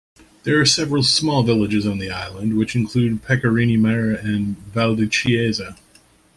There are several small villages on the island, which include Pecorini Mare and Valdichiesa.